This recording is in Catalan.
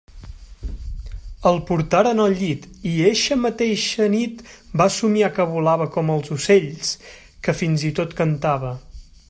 El portaren al llit i eixa mateixa nit va somniar que volava com els ocells, que fins i tot cantava.